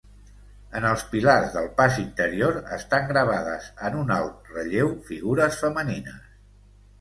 En els pilars del pas interior, estan gravades en un alt relleu figures femenines.